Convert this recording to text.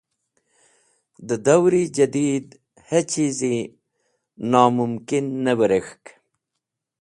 De dawri Jadied hechizi nomumkin ne wirek̃hk.